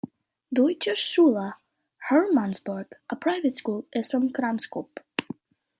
Deutsche Schule Hermannsburg, a private school, is from Kranskop.